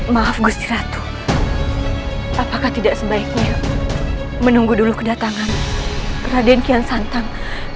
maaf gusti ratu apakah tidak sebaiknya menunggu dulu kedatangan raden kian santang